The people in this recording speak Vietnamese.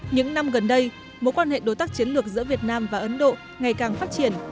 những năm gần đây mối quan hệ đối tác chiến lược giữa việt nam và ấn độ ngày càng phát triển